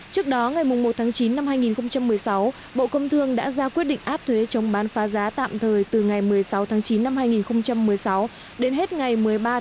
trước đó ngày một chín hai nghìn một mươi sáu bộ công thương đã ra quyết định áp thuế chống bán phá giá tạm thời từ ngày một mươi sáu chín hai nghìn một mươi sáu đến hết ngày một mươi ba một hai nghìn một mươi bảy